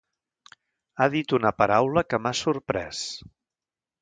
Ha dit una paraula que m’ha sorprès.